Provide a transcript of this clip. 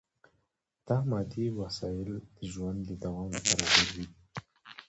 دا مادي وسایل د ژوند د دوام لپاره ضروري دي.